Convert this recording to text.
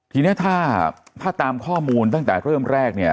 ทีนี้ถ้าตามข้อมูลตั้งแต่เริ่มแรกเนี่ย